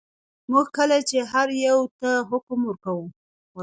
موږ کله چې هر یوه ته حکم وکړو.